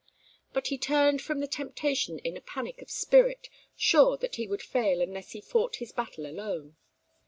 But he turned from the temptation in a panic of spirit, sure that he would fail unless he fought his battle alone.